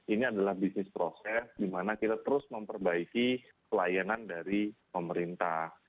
ini adalah bisnis proses di mana kita terus memperbaiki pelayanan dari pemerintah